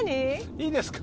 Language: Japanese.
いいですか？